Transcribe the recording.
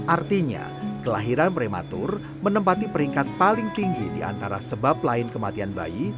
artinya kelahiran prematur menempati peringkat paling tinggi di antara sebab lain kematian bayi